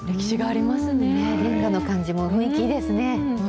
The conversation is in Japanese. れんがの感じも雰囲気いいですね。